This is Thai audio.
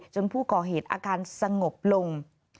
ผู้ก่อเหตุอาการสงบลง